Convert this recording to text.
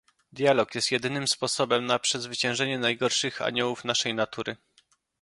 Dialog jest jedynym sposobem na przezwyciężenie najgorszych aniołów naszej natury